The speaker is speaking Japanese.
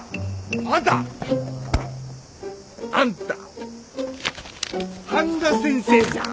あんた！あんた半田先生じゃん！